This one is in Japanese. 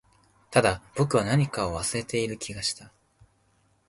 ただ、僕は何かを忘れている気がした